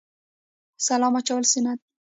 سلام اچول سنت دي